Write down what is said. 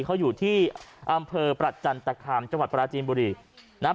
เขาอยู่ที่อำเภอประจันตคามจังหวัดปราจีนบุรีนะครับ